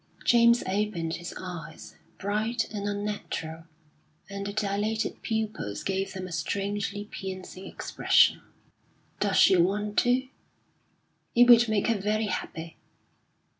James opened his eyes, bright and unnatural, and the dilated pupils gave them a strangely piercing expression. "Does she want to?" "It would make her very happy."